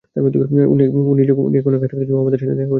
Tony এখন একা থাকতে চায়, ও আমাদের সাথে দেখা করতে চায় না।